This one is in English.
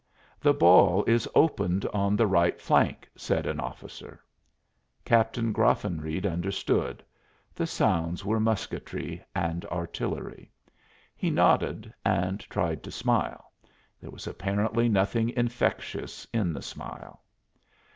"The ball is opened on the right flank," said an officer. Captain Graffenreid understood: the sounds were musketry and artillery. He nodded and tried to smile. There was apparently nothing infectious in the smile.